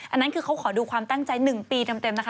อันนั้นคือเขาขอดูความตั้งใจ๑ปีเต็มนะคะ